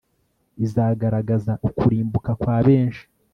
izagaragaza ukurimbuka kwa benshi